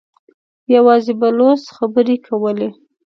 يواځې بلوڅ خبرې کولې.